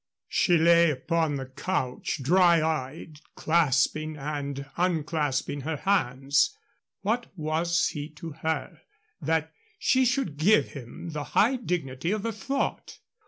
She lay upon the couch dry eyed, clasping and unclasping her hands. What was he to her that she should give him the high dignity of a thought?